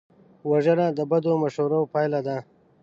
وژنه د بدو مشورو پایله ده